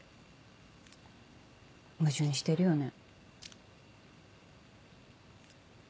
矛盾してるよね。